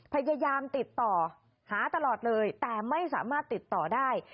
พยายามติดต่อหาตลอดเลยแต่ไม่สามารถติดต่อได้